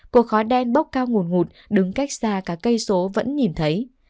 cuộc khói đen bốc cao nguồn ngụt đứng cách xa cả cây số vẫn nhìn thấy